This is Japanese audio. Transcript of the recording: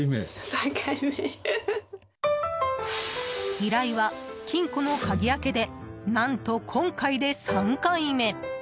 依頼は金庫の鍵開けで何と、今回で３回目。